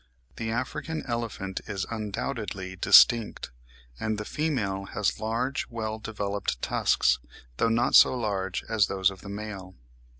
The African elephant is undoubtedly distinct, and the female has large well developed tusks, though not so large as those of the male.